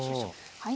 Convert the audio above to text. はい。